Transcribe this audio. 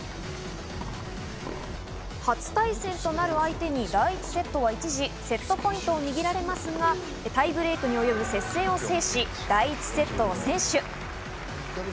初対戦となる相手に第１セットは一時セットポイントを握られますが、タイブレークに及ぶ接戦を制し、第１セットを先取。